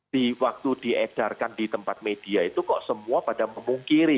di waktu diedarkan di tempat media itu kok semua pada memungkiri